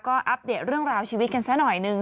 ก็อัปเดตเรื่องราวชีวิตกันซะหน่อยหนึ่ง